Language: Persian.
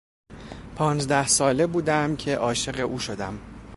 پانزده ساله بودم که عاشق او شدم.